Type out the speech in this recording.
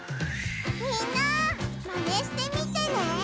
みんなマネしてみてね！